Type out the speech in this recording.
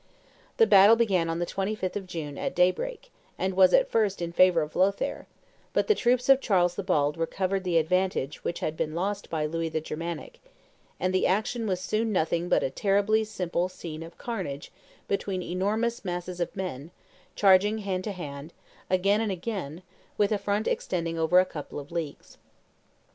The battle began on the 25th of June, at daybreak, and was at first in favor of Lothaire; but the troops of Charles the Bald recovered the advantage which had been lost by Louis the Germanic, and the action was soon nothing but a terribly simple scene of carnage between enormous masses of men, charging hand to hand, again and again, with a front extending over a couple of leagues.